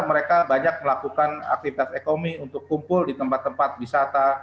mereka banyak melakukan aktivitas ekonomi untuk kumpul di tempat tempat wisata